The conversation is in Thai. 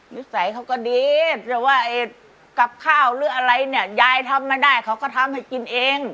นิสัยเขาก็ดีแต่ว่าไอ้กับข้าวหรืออะไรเนี่ยยายทำไม่ได้เขาก็ทำให้กินเอง